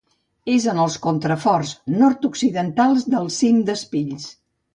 És en els contraforts nord-occidentals del cim d'Espills.